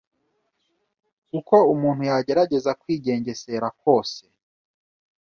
Uko umuntu yagerageza kwigengesera kose